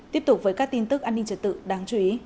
tiếp tục với các tin tức an ninh trật tự đáng chú ý